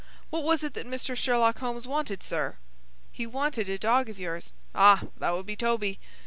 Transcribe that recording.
What was it that Mr. Sherlock Holmes wanted, sir?" "He wanted a dog of yours." "Ah! that would be Toby."